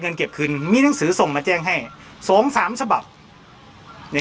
เก็บคืนมีหนังสือส่งมาแจ้งให้สองสามฉบับใน